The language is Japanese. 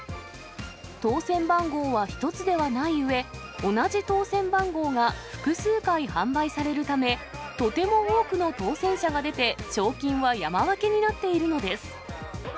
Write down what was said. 当せん番号は一つではないうえ、同じ当せん番号が複数回販売されるため、とても多くの当選者が出て、賞金は山分けになっているのです。